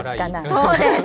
そうです。